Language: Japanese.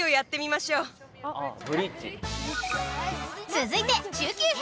［続いて中級編。